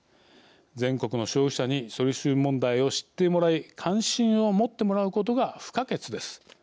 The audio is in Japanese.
全国の消費者に処理水問題を知ってもらい関心を持ってもらうことが不可欠です。